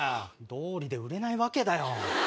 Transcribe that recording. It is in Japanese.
道理で売れないわけだよ。